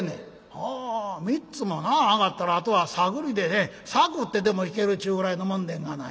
「はあ三つもな上がったらあとは探りで探ってでも弾けるっちゅうぐらいのもんでんがな。